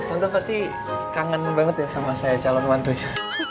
tante pasti kangen banget ya sama saya calon mantunya